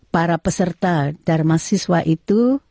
para peserta darmasiswa itu